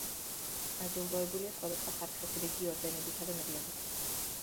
დაჯილდოებულია სხვადასხვა ხარისხის რიგი ორდენებითა და მედლებით.